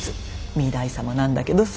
御台様なんだけどさ。